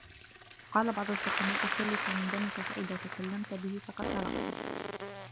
وَقَالَ بَعْضُ الْحُكَمَاءِ سِرُّك مِنْ دَمِك فَإِذَا تَكَلَّمْت بِهِ فَقَدْ أَرَقْتَهُ